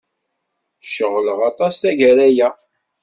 Ceɣleɣ aṭas tagara-a.